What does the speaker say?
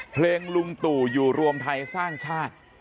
ลุงตู่อยู่รวมไทยสร้างชาติ